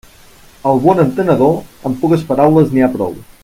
Al bon entenedor, amb poques paraules n'hi ha prou.